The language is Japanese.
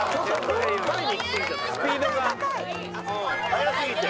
速すぎて。